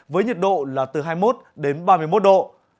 với nhiệt độ là từ hai mươi một đến ba mươi một độ